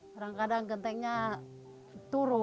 kadang kadang gentengnya turun